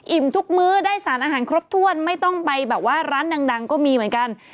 ทุกมื้อได้สารอาหารครบถ้วนไม่ต้องไปแบบว่าร้านดังก็มีเหมือนกัน